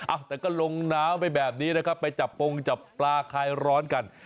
อ้าวแต่ก็ก็ลงน้ำไปแบบนี้ไปจับปลาคลายร้อนกัน